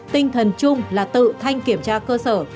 tinh thần chung là tự thanh kiểm tra cơ sở